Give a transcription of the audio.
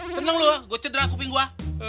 seneng lu gua cedera kuping gua